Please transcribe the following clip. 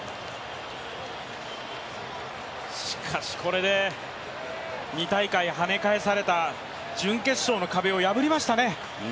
しかし、これで２大会跳ね返された準決勝の壁を破りましたね。